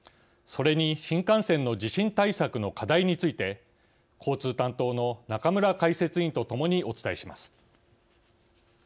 それに新幹線の地震対策の課題について交通担当の中村解説委員とともにお伝えします。